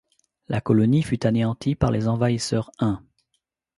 La colonie fut anéantie par les envahisseurs Huns.